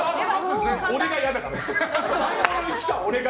俺が嫌だからです。